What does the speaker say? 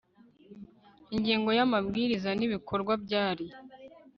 ingingo ya amabwiriza n ibikorwa byari